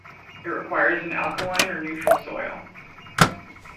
It requires an alkaline or neutral soil.